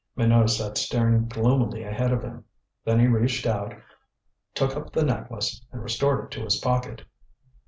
Minot sat staring gloomily ahead of him. Then he reached out, took up the necklace, and restored it to his pocket.